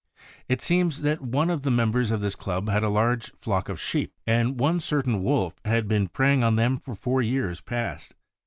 It seems that one of the members of this club had a large flock of sheep, and one certain wolf had been preying on them for four years past.